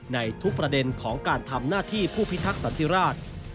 ในทุกประเด็นของการทำหน้าที่ผู้พิทักษันติราช